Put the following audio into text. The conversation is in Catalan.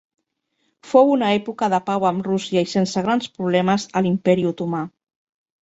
Fou una època de pau amb Rússia i sense grans problemes a l'Imperi Otomà.